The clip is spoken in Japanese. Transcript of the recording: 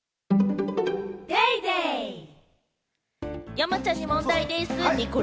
山ちゃんに問題でぃす。